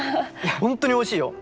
本当においしいよ！